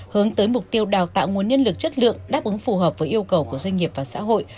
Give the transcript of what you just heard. hướng tới mục tiêu đào tạo nguồn nhân lực chất lượng đáp ứng phù hợp với yêu cầu của doanh nghiệp và xã hội